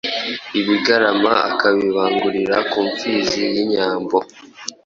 ibigarama akabibangurira ku mfizi y'inyambo